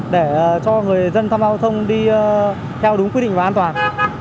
để cho người dân thăm giao thông đi theo đúng quy định và an toàn